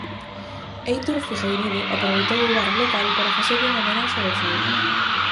Héitor Figueirido aproveitou o barro local para facerlle unha homenaxe ao sol.